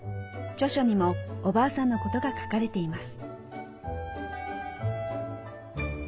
著書にもおばあさんのことが書かれています。